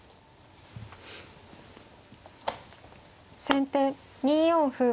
先手２四歩。